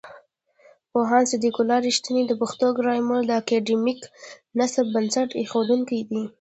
پوهاند صدیق الله رښتین د پښتو ګرامر د اکاډمیک نصاب بنسټ ایښودونکی دی.